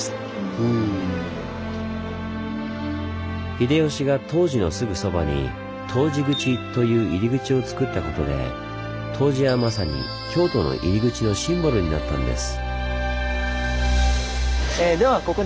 秀吉が東寺のすぐそばに東寺口という入り口をつくったことで東寺はまさに京都の入り口のシンボルになったんです。